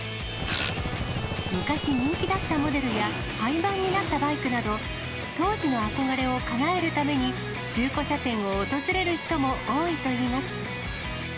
昔人気だったモデルや、はいばんになったバイクなど、当時の憧れをかなえるために、中古車店を訪れる人も多いといいます。